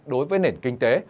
đối với nền kinh tế